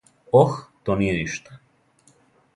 Ох, то није ништа